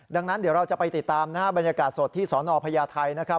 ดังนั้นเดี๋ยวเราจะไปติดตามนะฮะบรรยากาศสดที่สนพญาไทยนะครับ